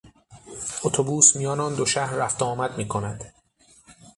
اتوبوس میان آن دو شهر رفت و آمد میکند.